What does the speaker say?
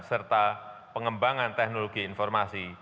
serta pengembangan teknologi informasi